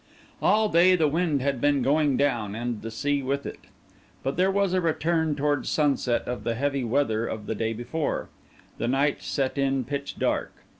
All day the wind had been going down, and the sea along with it; but there was a return towards sunset of the heavy weather of the day before. The night set in pitch dark.